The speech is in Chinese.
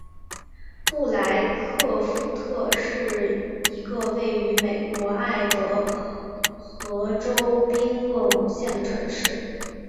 布莱克富特是一个位于美国爱达荷州宾厄姆县的城市。